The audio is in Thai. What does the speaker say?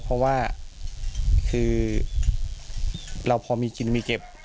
เพราะว่าคือเราพอมีกินมีเก็บ